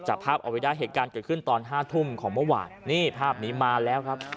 จับภาพเอาไว้ได้เหตุการณ์เกิดขึ้นตอนห้าทุ่มของเมื่อวานนี่ภาพนี้มาแล้วครับ